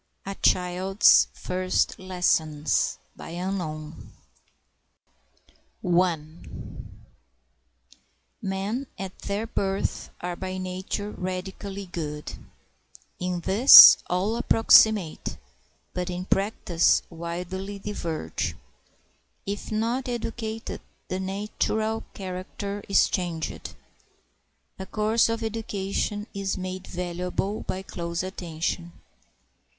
A CHILD'S FIRST LESSONS Men at their birth are by nature radically good ; In this all approximate, but in practice widely diverge. If not educated, the natural character is changed; A course of education is made valuable by close attention.